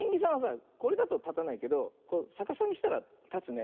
これだとたたないけどさかさにしたらたつね。